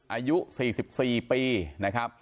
อายุ๔๔ปี